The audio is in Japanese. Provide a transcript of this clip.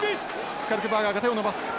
スカルクバーガーが手を伸ばす。